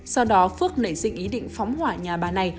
sau đó phước nảy sinh ý định phóng hỏa nhà bà này